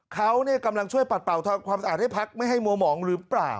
เขาเนี่ยกำลังช่วยปัดเป่าความสะอาดให้พรรคไม่ให้มวมองหรือเปล่า